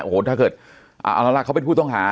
โอ้โหถ้าเกิดเอาแล้วล่ะเขาเป็นผู้ต้องหา